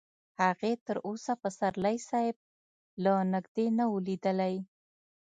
هغې تر اوسه پسرلي صاحب له نږدې نه و لیدلی